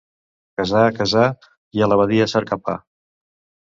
Casar, casar, i a l'abadia a cercar pa.